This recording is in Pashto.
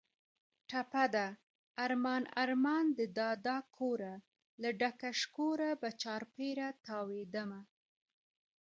ټپه ده: ارمان ارمان دې دادا کوره، له ډکه شکوره به چاپېره تاوېدمه